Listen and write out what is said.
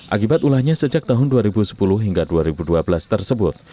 akibat ulahnya sejak tahun dua ribu sepuluh hingga dua ribu dua belas tersebut